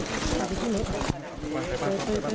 หลังจากที่สุดยอดเย็นหลังจากที่สุดยอดเย็น